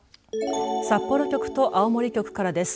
札幌局と青森局からです。